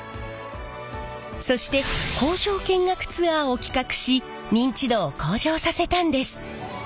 そして工場見学ツアーを企画し認知度を向上させたんです。